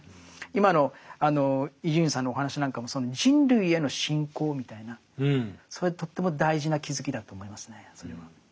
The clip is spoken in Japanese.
今の伊集院さんのお話なんかもその人類への信仰みたいなそれとっても大事な気付きだと思いますねそれは。